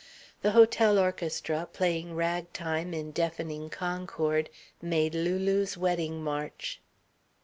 The hotel orchestra, playing ragtime in deafening concord, made Lulu's wedding march.